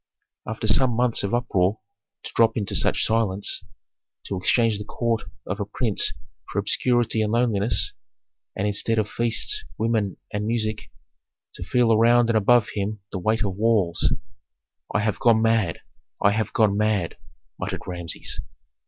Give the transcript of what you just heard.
After some months of uproar to drop into such silence, to exchange the court of a prince for obscurity and loneliness, and instead of feasts, women, and music, to feel around and above him the weight of walls! "I have gone mad! I have gone mad!" muttered Rameses.